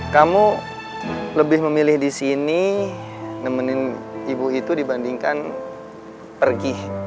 kamu lebih memilih di sini nemenin ibu itu dibandingkan pergi